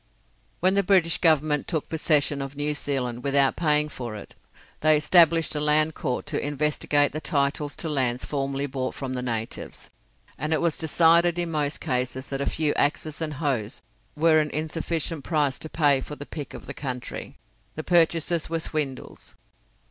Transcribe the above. When the British Government took possession of New Zealand without paying for it, they established a Land Court to investigate the titles to lands formerly bought from the natives, and it was decided in most cases that a few axes and hoes were an insufficient price to pay for the pick of the country; the purchases were swindles.